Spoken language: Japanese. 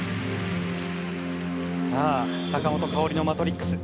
さあ坂本花織の「マトリックス」。